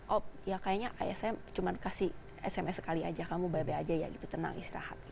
oh ya kayaknya ayah saya cuma kasih sms sekali aja kamu by by aja ya gitu tenang istirahat